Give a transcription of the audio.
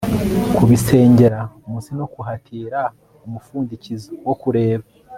Kubisengera munsi no guhatira umupfundikizo wo kureba